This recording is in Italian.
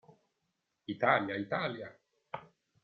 Italia, Italia!".